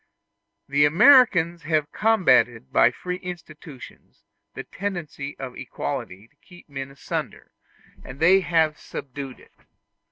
The Americans have combated by free institutions the tendency of equality to keep men asunder, and they have subdued it.